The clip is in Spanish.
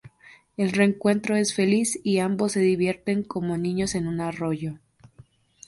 El reencuentro es feliz y ambos se divierten como niños en un arroyo.